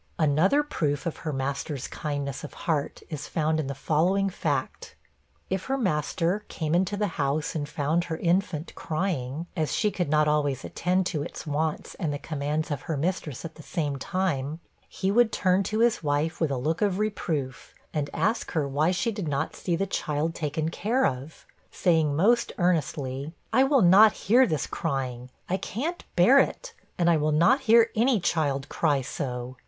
Another proof of her master's kindness of heart is found in the following fact. If her master came into the house and found her infant crying, (as she could not always attend to its wants and the commands of her mistress at the same time,) he would turn to his wife with a look of reproof, and ask her why she did not see the child taken care of; saying, most earnestly, 'I will not hear this crying; I can't bear it, and I will not hear any child cry so.